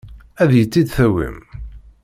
Ad iyi-t-id-tawim?